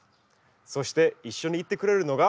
そして一緒に行ってくれるのが。